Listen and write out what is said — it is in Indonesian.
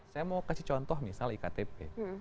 saya mau kasih contoh misalnya iktp